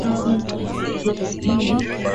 nyi mnapingana kwa sababu sera zenu hazi